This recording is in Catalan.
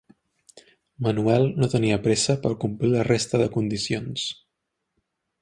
Manuel no tenia pressa per complir la resta de condicions.